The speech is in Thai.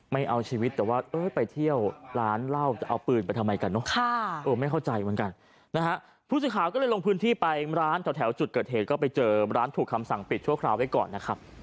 ไม่เอาชีวิตแต่ว่าเอ้ยไปเที่ยวร้านเหล้าจะเอาปืนไปทำไมกันเนอะไม่เข้าใจเหมือนกันนะฮะผู้สื่อข่าวก็เลยลงพื้นที่ไปร้านแถวจุดเกิดเหตุก็ไปเจอร้านถูกคำสั่งปิดชั่วคราวไว้ก่อนนะครับ